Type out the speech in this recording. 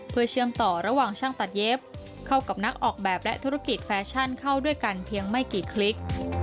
เพื่อเชื่อมต่อระหว่างช่างตัดเย็บเข้ากับนักออกแบบและธุรกิจแฟชั่นเข้าด้วยกันเพียงไม่กี่คลิก